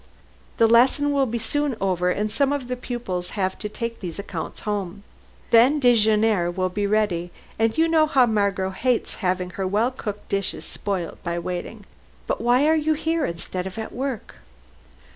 The lesson will soon be over, and some of the pupils have to take these accounts home. Then dejeuner will soon be ready, and you know how Margot hates having her well cooked dishes spoilt by waiting. But why are you here instead of at work?"